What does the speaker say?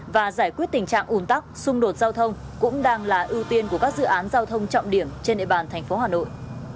và giải quyết tình trạng ủn tắc xung đột giao thông cũng đang là ưu tiên của các dự án giao thông trọng điểm trên địa bàn thành phố hà nội